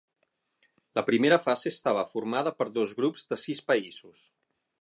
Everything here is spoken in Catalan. La primera fase estava formada per dos grups de sis països.